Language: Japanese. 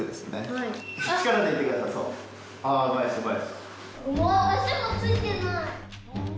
すごい！